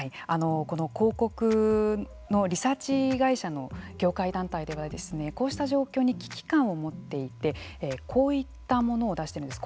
広告のリサーチ会社の業界団体ではこうした状況に危機感を持っていてこういったものを出しているんです。